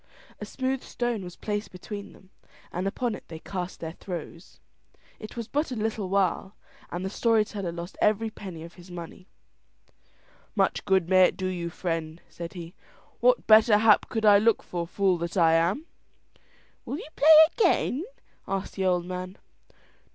A smooth stone was placed between them, and upon it they cast their throws. It was but a little while and the story teller lost every penny of his money. "Much good may it do you, friend," said he. "What better hap could I look for, fool that I am!" "Will you play again?" asked the old man.